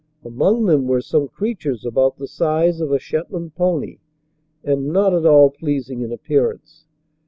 Among them were some creatures about the size of a Shetland pony and not at all pleasing in appearance.